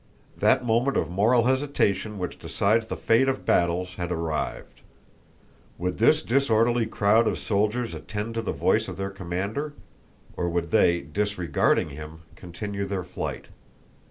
That moment of moral hesitation which decides the fate of battles had arrived. Would this disorderly crowd of soldiers attend to the voice of their commander, or would they, disregarding him, continue their flight?